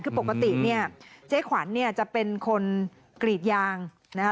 คือปกติเนี่ยเจ๊ขวัญเนี่ยจะเป็นคนกรีดยางนะคะ